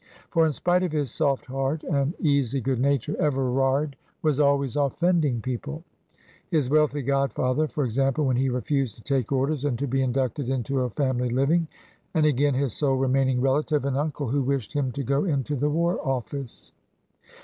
For in spite of his soft heart and easy good nature Everard was always offending people; his wealthy godfather, for example, when he refused to take orders and to be inducted into a family living; and again his sole remaining relative, an uncle, who wished him to go into the War Office.